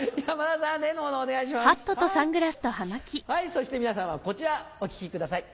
そして皆様こちらお聴きください。